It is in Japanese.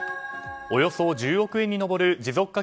およそ１０億円に上る持続化